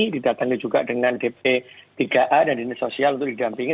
didatangi juga dengan dp tiga a dan dinas sosial untuk didampingi